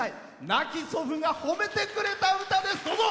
亡き祖父が褒めてくれた歌です。